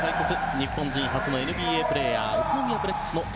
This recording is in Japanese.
日本人初のＮＢＡプレーヤー宇都宮ブレックスの田臥